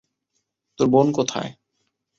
তোর বোন কোথায়?